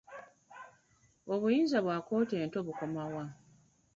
Obuyinza bwa kkooti ento bukoma wa?